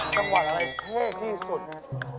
จังหวัดอะไรเท่ที่สุดฮะ